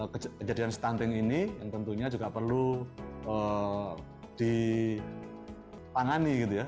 kejadian stunting ini yang tentunya juga perlu ditangani gitu ya